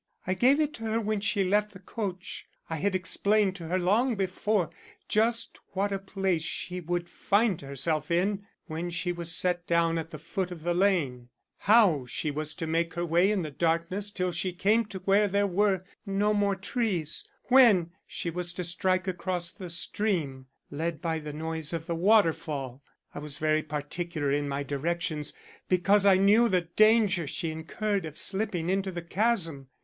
I gave it to her when she left the coach. I had explained to her long before just what a place she would find herself in when she was set down at the foot of the lane; how she was to make her way in the darkness till she came to where there were no more trees, when she was to strike across to the stream, led by the noise of the waterfall. I was very particular in my directions, because I knew the danger she incurred of slipping into the chasm.